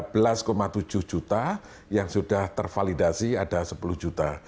dari sepuluh juta yang sudah tervalidasi ada sepuluh juta